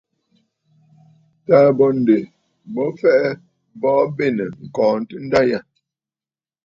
Taà bô ǹdè fɛʼɛ, bɔɔ bênə̀ ŋ̀kɔɔntə nda yâ.